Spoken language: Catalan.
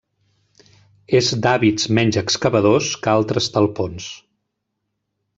És d'hàbits menys excavadors que altres talpons.